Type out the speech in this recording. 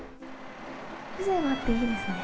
風情があっていいですね